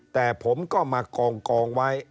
แต่ผมก็มากองไว้